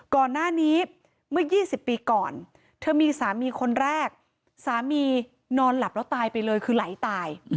ก่อนหน้านี้เมื่อ๒๐ปีก่อนเธอมีสามีคนแรกสามีนอนหลับแล้วตายไปเลยคือไหลตาย